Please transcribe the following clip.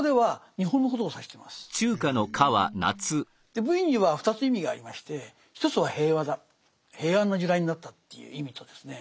で「無為」には２つ意味がありまして一つは平和だ平安な時代になったという意味とですね